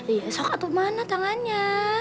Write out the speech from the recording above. iya sokatu mana tangannya